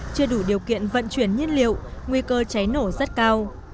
chưa đủ điều kiện vận chuyển nhân liệu nguy cơ cháy nổ rất cao